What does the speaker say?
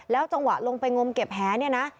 จังหวะลงไปงมเก็บแหเนี่ยนะ